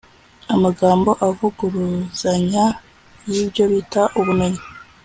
Amagambo avuguruzanya y ibyo bita ubumenyi